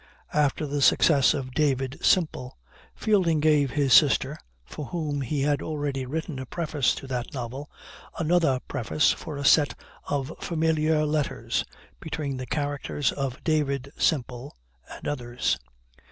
After the success of David Simple, Fielding gave his sister, for whom he had already written a preface to that novel, another preface for a set of Familiar Letters between the characters of David Simple and others.